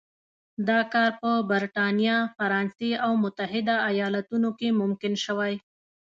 دا کار په برېټانیا، فرانسې او متحده ایالتونو کې ممکن شوی.